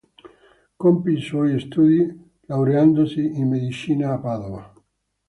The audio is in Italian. Compì i suoi studi laureandosi in medicina a Padova.